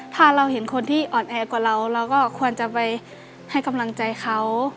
ถ้าเราเห็นคนที่อ่อนแอกว่าเราเราก็ควรจะไปให้กำลังใจเขา